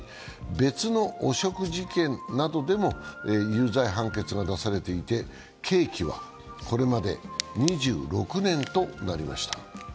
別の汚職事件などでも有罪判決が出されていて、刑期はこれで２６年となりました。